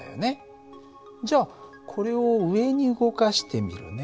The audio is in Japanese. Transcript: じゃあこれを上に動かしてみるね。